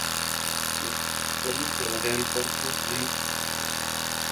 Y el endosperma que rodea el carpo del flor.